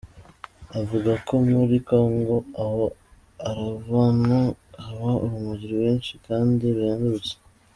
Avuga ko ngo muri Kongo aho aruvana haba urumogi rwinshi kandi ruhendutse.